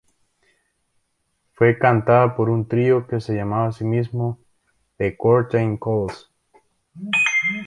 Fue cantada por un trío que se llamaba a sí mismo "The Curtain Calls.